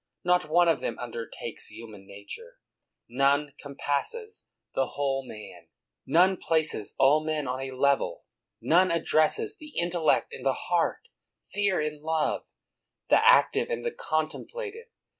Xot one of them undertakes human nature; none compasses the whole man; 219 THE WORLD'S FAMOUS ORATIONS none places all men on a level; none addresses the intellect and the heart, fear and love, the active and the contemplative.